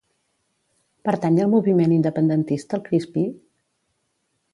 Pertany al moviment independentista el Crispí?